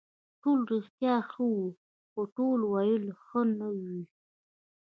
ټول رښتیا ښه وي خو د ټولو ویل ښه نه وي.